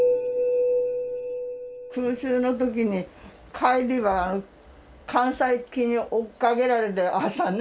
空襲の時に帰りは艦載機に追っかけられて朝ね。